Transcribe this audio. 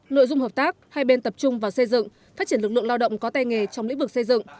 nội dung hợp tác hai bên tập trung vào xây dựng phát triển lực lượng lao động có tay nghề trong lĩnh vực xây dựng